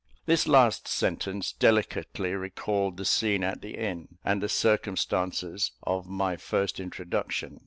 This last sentence delicately recalled the scene at the inn, and the circumstances of my first introduction.